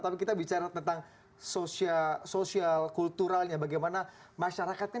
tapi kita bicara tentang sosial kulturalnya bagaimana masyarakatnya